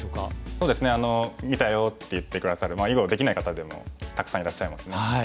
そうですね「見たよ」って言って下さる囲碁できない方でもたくさんいらっしゃいますね。